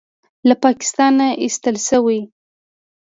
له پاکستانه ایستل شوی